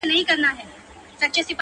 چي په سرو وینو کي اشنا وویني ـ